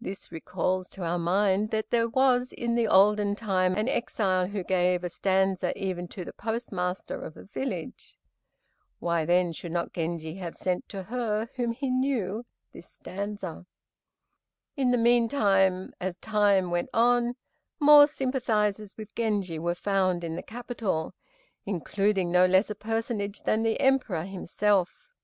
This recalls to our mind that there was in the olden time an exile who gave a stanza even to the postmaster of a village. Why then should not Genji have sent to her whom he knew this stanza? In the meantime, as time went on, more sympathizers with Genji were found in the capital, including no less a personage than the Emperor himself.